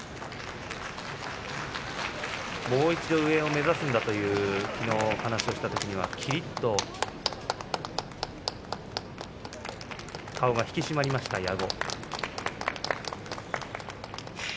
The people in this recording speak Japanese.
もう一度上を目指すんだという話をしたときは矢後はきりっと顔が引き締まりました。